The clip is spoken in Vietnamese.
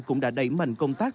cũng đã đẩy mạnh công tác